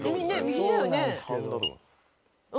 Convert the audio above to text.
右だよね。